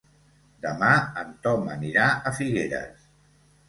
Demà en Tom anirà a Figueres.